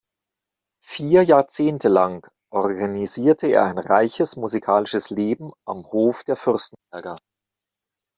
Vier Jahrzehnte lang organisierte er ein reiches musikalisches Leben am Hof der Fürstenberger.